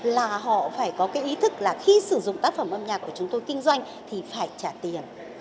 là họ phải có cái ý thức là khi sử dụng tác phẩm âm nhạc của chúng tôi kinh doanh thì phải trả tiền